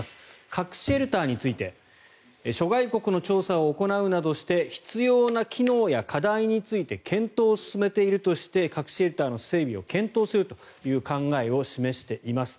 核シェルターについて諸外国の調査を行うなどして必要な機能や課題について検討を進めているとして核シェルターの整備を検討するという考えを示しています。